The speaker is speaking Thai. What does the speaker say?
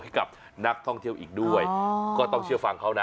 ให้กับนักท่องเที่ยวอีกด้วยก็ต้องเชื่อฟังเขานะ